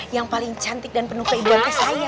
yang paling cantik dan penuh keibuannya saya